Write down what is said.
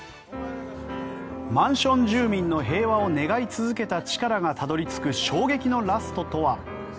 マンション住民の平和を願い続けたチカラがたどり着く衝撃のラストとは？